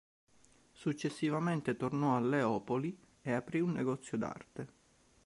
Successivamente tornò a Leopoli e aprì un negozio d'arte.